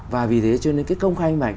và vì thế cho nên cái công khai minh mạch